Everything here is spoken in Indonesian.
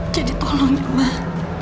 jadi tolong ya mah